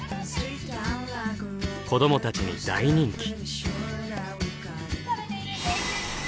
子どもたちに大人気！